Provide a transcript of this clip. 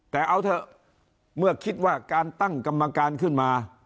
แต่เอาเถอะเมื่อคิดว่าการตั้งกรรมการขึ้นมา